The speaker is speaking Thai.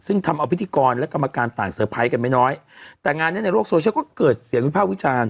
ซึ่งทำเอาพิธีกรและกรรมการต่างเตอร์ไพรส์กันไม่น้อยแต่งานเนี้ยในโลกโซเชียลก็เกิดเสียงวิภาควิจารณ์